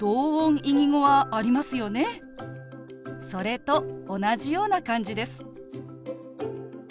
それと同じような感じです。